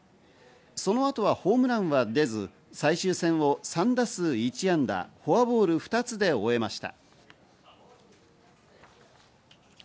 その後はホームランは出ず、最終戦を３打数１安打フォアボール２つで終えました。